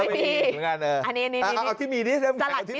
ไม่มีสลัดมิโส